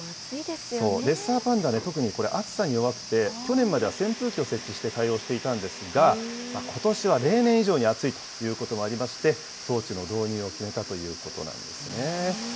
レッサーパンダ、特にこれ、暑さに弱くて、去年までは扇風機を設置して対応していたんですが、ことしは例年以上に暑いということもありまして、装置の導入を決めたということなんですね。